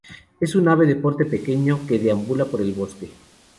Es un ave de porte pequeño que deambula por el bosque.